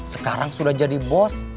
sekarang sudah jadi bos